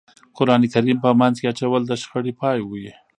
قرآن کریم په منځ کې اچول د شخړې پای وي.